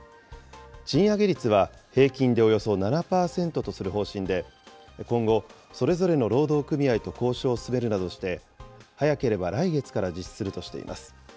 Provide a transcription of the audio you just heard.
賃上げ率は平均でおよそ７％とする方針で、今後、それぞれの労働組合と交渉を進めるなどして、早ければ来月から実施するとしています。